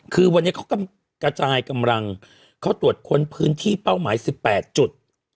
คือวันนี้เขากำลังกระจายกำลังเขาตรวจค้นพื้นที่เป้าหมาย๑๘จุด